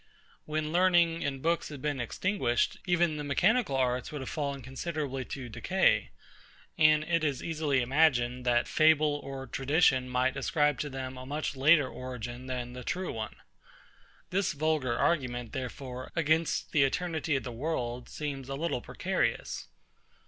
When learning and books had been extinguished, even the mechanical arts would have fallen considerably to decay; and it is easily imagined, that fable or tradition might ascribe to them a much later origin than the true one. This vulgar argument, therefore, against the eternity of the world, seems a little precarious.